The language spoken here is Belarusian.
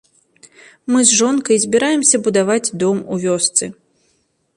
Мы з жонкай збіраемся будаваць дом у вёсцы.